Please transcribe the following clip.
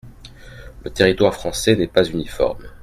Le territoire français n’est pas uniforme.